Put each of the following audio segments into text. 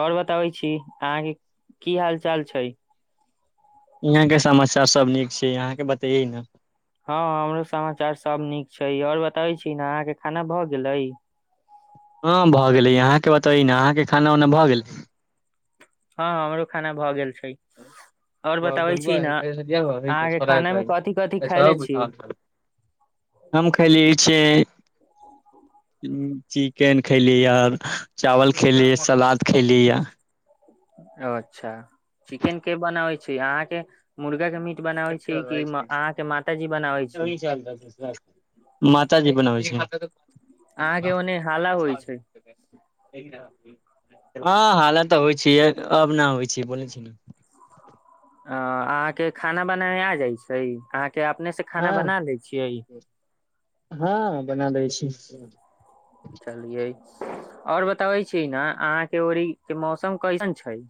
और बताबै छी अहाँ के की हाल चाल छै यहाँ के समाचार सब नीक छै अहाँ के बतैये न हँ हमरो समाचार सब नीक छै आओर बताबै छी ने अहाँके खाना भऽ गेलै हँ भऽ गेलै अहाँके बतबेहि न अहाँके खाना उना भऽ गेल हँ हमरो खाना भऽ गेल छै आओर ह ब बताबै छी ने अहाँके खाना मे कथि कथि खायले छी [unintelligible] हम खेलिय छियें चिकेन खैली या चावल खली सलाद खैली या ओ अच्छा चिकेन के बनाबे छै अहाँ के मुर्गा के मी बनाबै छै कि अहाँ के माता जी बनाबै छै [unintelligible] मात जी बनाबै छै अहाँ के ओन्ने हाला होइ छै हँ हालत तऽ होइ छै अब नहि होइ छै बोलै छी ने अ अहाँ के खाना बनाबा आ जाय छै अहाँ के अपने से खाना हँ बना लै छियै हँ बना दै छी चलिये ओर बताबै छी ने अहाँ के ओर के मौसम कैसन छै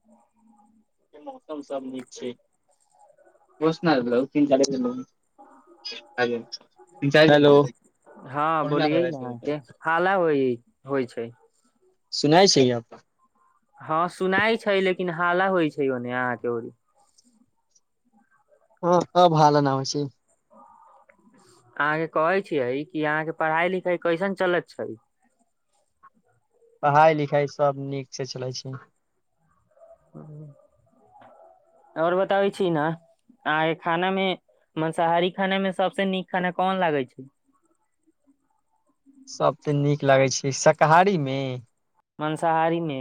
ह मौसम सब नीक छै बसना [unintelligible] तीन सारी हँ बोलिये ने अहाँ के हाला होइ छै सुनाइ छिये यो हँ सुनाई छै लेकिन हाला होइ छै ऑने अहाँ के ऑनि हँ अब हाला न हो छी अहाँ के कहे छियै कि अहाँ के पढ़ाई लिखाई कैसन चलत छैय पढ़ाइ लिखाइ सभ नीक से चलै छै ओर बताबै छी न आहा के खाना में मांसाहारी खाना में सबसे नीक खाना कोन लागे छै सभसे नीक लगैत छै शकाहारी मे मंसाहारी मे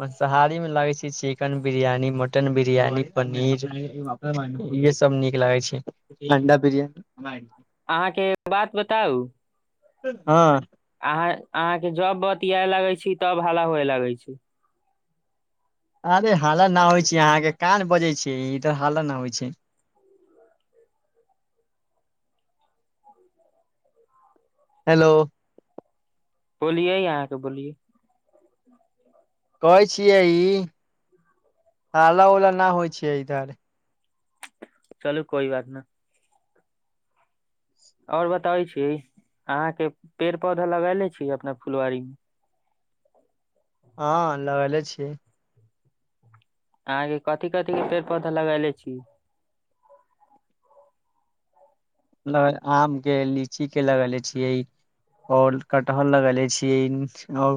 मंसाहारी में लागै छै चिकेन बिरियानी मटन बिरियानी पनीर इहे सब नीक लागै छै अण्डा बिरियान अहाँके एक बात बताऊ हँ अहाँ अहाँ के जब बतिया लगे छी तब हाला हुए लगै छी अरे हाला न होइ छै अहाँ के कान बजे छी इधर हाला न होइ छै हेलो बोलिये अहाँके बोलिये कहै छियै ई हाला उला न होइ छियै इधर चलू कोइ बात नइ और बताबै छी अहाँ के पेड़ पौधा लगले छी अपना फुलवारी मे हँ लगले छीयै अहाँके कथि कथी के पेड़ पौधा लगेले छी आम के लीची के लगेले छियै ओर कटहर लगेले छीयै ओ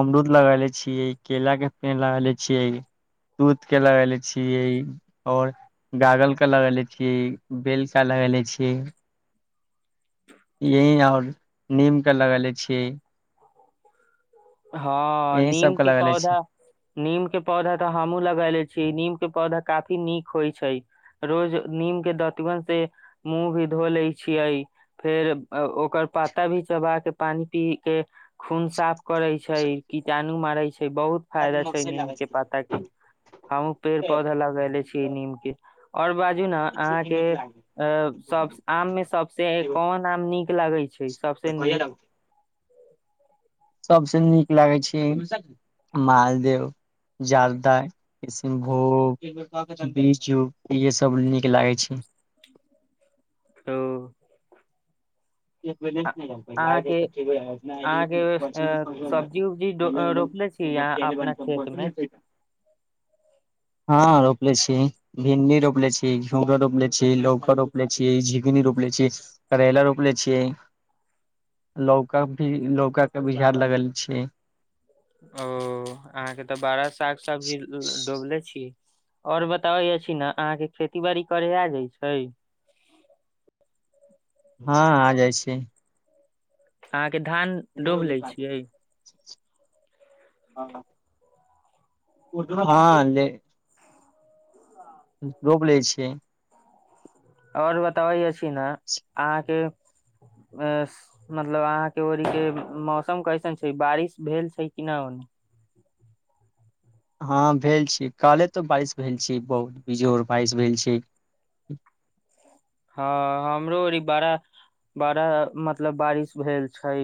अमरूद लगेले छियै केला के पेल लगेले छियै दूध के लगेले छियै और गागल के लगेले छी बेल का लगेले छी यही और नीम के लगेले छीयै हँ यही नीम सब के लगेले छियै पौधा नीम के पौधा तऽ हमहुँ लगेले छीयै नीम के पौधा काफी नीक होइ छै रोज नीम के दतबन से मुँह भी धो ले छियै फेर ओकर पाता भी चबा के पानि पी के खून साफ करै छै कीटाणु मारै छै बहुत फायदा छै नीम के पाता के हमहु पेड़ पौधा लगेले छीयै नीम के ओर बाजू ना अहाँके अ सब आम मे सबसे कोन आम नीक लगै छै सबसे नीक सबसे नीक लागै छै मालदेव जालदा किशनभोग बीजू इहसभ नीक लागैत छी ओ पहि अ- आ अहाँके तऽ अहाँके अ, सब्जी उब्जी डो- अ, रोपले छी अहाँ अपना खेत मे ठीक [unintelligible] [unintelligible] हँ रोपले छीये भिंडी रोपले छीयें घिउरा रोपले छी लौकि रोपले छी झिंगनी रोपले छी करैला रोप रोप्ले छियै लौका भी लौका के बुझार लगल छियै ओ अहाँके तऽ बड़ा साग सब्जी डोबले छी ओर बताबै ने अहाँ के खेती बाड़ी करे आ जाइ छै हँ आ जाइ छै अहाँके धान एनेरे डोब के ले काट छियै हा [unintelligible] रोप लै छियै ओर बताबै अछी ने अहाँके अ मतलब अहाँ के औरि के मौसम कैसन छै बारिश भेल छै कि न ओ हँ भेल छी काले तो बारिश भेल छी बहुत बीजोर बारिश भेल छै हँ हमरो अर बड़ा बड़ा मतलब बारिश भेल छै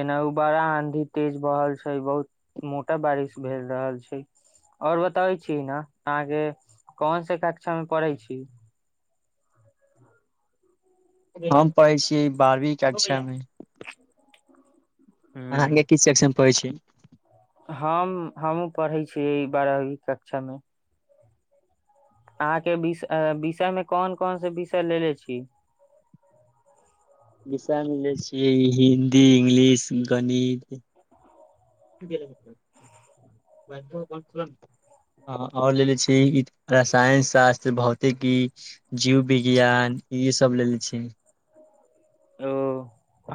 एना उ बड़ा आंधी तेज बह रहल छै बहुत मोटा बारिश भेल रहल छै आओर बताब छी ने अहाँके कोन से कक्षा में पढ़ै छी हम पढ़ै छियै बारहवीं कक्षा मे अहाँ ने कीछु सेक्शन मे पढ़ै छीय हम हमहु पढ़ै छीयै बारहवी कक्षा मे अहाँ के विष विषय मे कोन कोन से विषय लेे छी विषय मे लैल छियै हिन्दी इंग्लिश गणित [unintelligible] ओर लेले छै ई रसायन शास्त्र भोतिकि ई जीव विज्ञान ई सब लेलेे छी ओ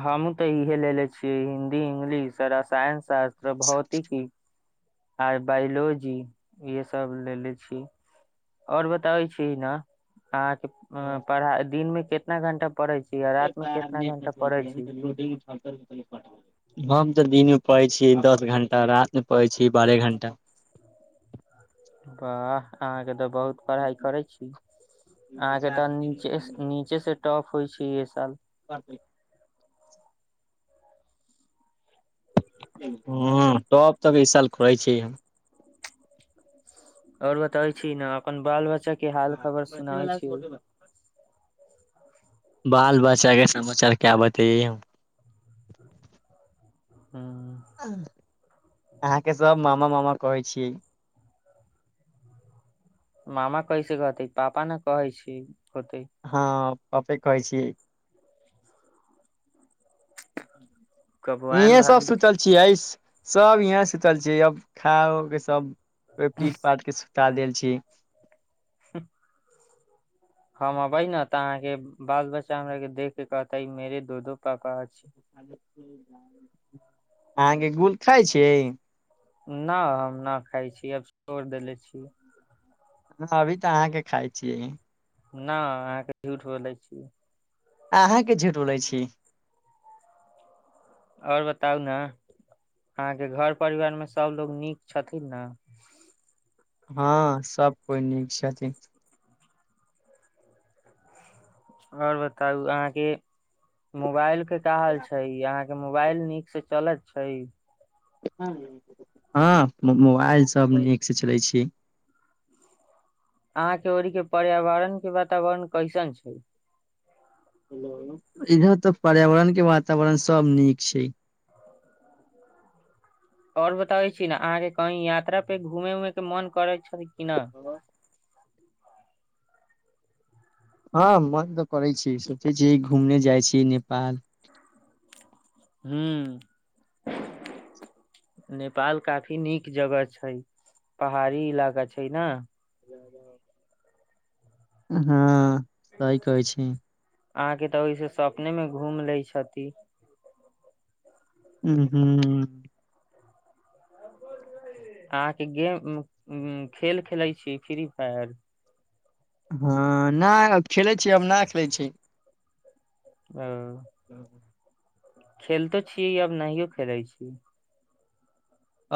हमहुँ तऽ इहे लेे छीयै हिन्दी इंगलिश आ साइंस शास्त्र भौतिकी आर बायोलॉजी यहे सब लेलेे छी ओर बताबै छी ने अहाँके पढ़ा दिन मे कितना घंटा पढ़ै छी आ रात मे कितना घंटा पढ़ै छी गोदी मे उठा लेल हम तऽ दिन मे पढेत छी दस घण्टा राइत मे पढेत छी बारह घण्टा वाह अहाँके तऽ बहुत पढ़ाई करे छी अहाँके तऽ नीचे निच बच्चे से टॉफ होइ छै एहि साल [unintelligible] ह तब तऽ इ साल करै छी ओर बताबै छी ने अपन बाल बच्चा के हाल खबर सुनाबै छी बाल बच्चा के समाचार क्या बतैए हम हँ अहाँके सब मामा मामा कहै छियै मामा कैसे कहते पापा ने कहै छै होते हँ पपेक कहै छी कबो आयम हिऐ सब भाभी सुतल छ सब यहाँ सुीतल छीय अब खा उ के सब को पीट पाट के ता देल छी ह हम अबै ने तऽ अहाँके बाल बच्चा हमरा के देख के कहतै मेरे दो दो पापा अछि अहाँके गुल खाइ छियै न हम न खाय छी अब छोड़ देेले छी अभी तऽ अहाँके खाय छियै न अहाँके झूठ बोले छी अहाँके झूठ बोलै छी ओर बताउ ने अहाँके घर परिवार मे सबलोग नीक छथिन ने हँ सब कोइ नीक छथिन ओर बताउ अहाँके मोबाइल के का हाल छै अहाँके के मोबाइल नीक से चलैत छै हँ मोबाइल सब नीकसँ चलै छी अहां के ओरी के पर्यावरण के वातावरण कैसन छै इधर तऽ पर्यावरण के वातावरण सब नीक छै ओर बताबै छी ने अहाँके कहीं यात्रा पे घूमे उमे के मन करैत छै कि न ह हँ मन तऽ करै छी सोचै छी घूमने जाइ छी नेपाल हूं [inaudible] नेपाल काफी नीक जगह छै पहाड़ी इलाका छै ने हँ सही कहै छी अहाँके तऽ ओहिस सपने मे घूम लै छथि उं हू अहाँके गेम खेल खेलैत छी फ्री फायर हँ नहि खेले छी आब नहि खेलैत छी अ ह [inaudible] खेलतो छीयै अब नहियो खेलै छी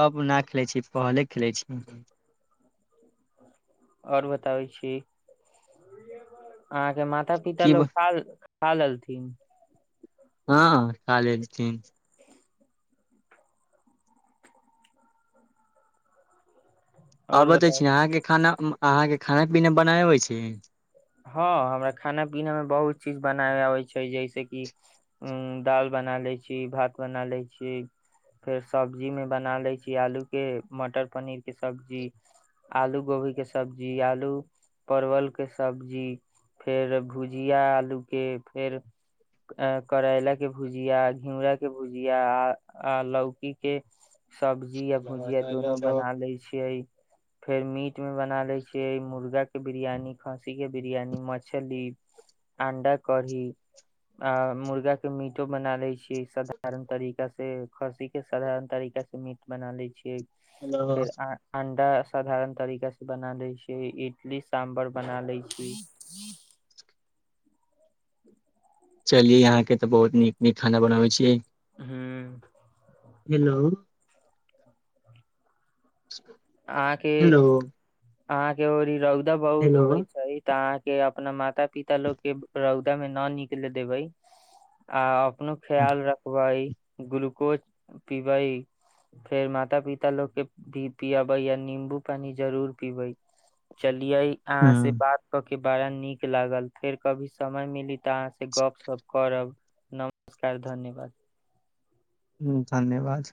अब न खेलैत छी पहले खेलैत छी ओर बताबै छी अहाँके माता पिता की लोक कहा ख लथिन हँ काल चन आ और बतै बताउ छी अहाँके खाना अहाँके खाना पीना बना अबै छै हँ हमरा खाना पीना मे बहुत चीज बनाय आबै छै जैस कि उ दाल बना लै छी भात बना लै छी फेर सब्जी मे बना लै छी आलू के मटर पनीर के सब्जी आलू गोभी के सब्जी आलू परवल के सब्जी फेर भुजिया आलू के फेर अ करैला के भुजिया घिउरा के भुजिया आ आ लौकी के सब्जी य भुजिया दुोनू बना ले छियै फेर मीट में बना ले छीय मुर्गा के बिरयानी खसी के बिरयानी मछली अंडा कढ़ी अ मुर्गा के मीटो बना ले छी साधारण तरीका से खस्सी के साधारण तरीका से मीट बना ले छी फेर अंडा साधारण तरीका से बना दै छैै इडली साम्बर बना लै छी [unintelligible] चलि यहां के तऽ बहुत नीक नीक खाना बनाबे छी यै हूं हेलो [unintelligible] अहाँके हेलो अहाँके र ई रौदा बहुत हेलो उगे छै तऽ अहाँके अपना माता पिता लोग के रौदा मे ना निकल देबै आ अपनो ख्याल रख पबाई ग्लूकोज पिबाई फेर माता पिता लोक के भी पिबे या नीं्बू पानी जरूर पिबे चलिये अहाँ से हँ बात के बारा नीक लागल फेर कभी समय मिली तऽ अहाँ से गप सप करब नमस्कार धन्यवाद हुं धन्यवाद